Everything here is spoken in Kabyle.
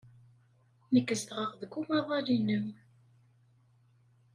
Nekk zedɣeɣ deg umaḍal-nnem.